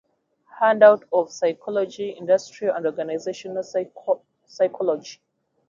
Handbook of Psychology, Industrial and Organizational Psychology.